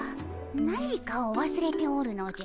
何かをわすれておるのじゃ。